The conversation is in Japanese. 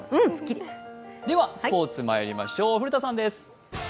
ではスポーツまいりましょう、古田さんです。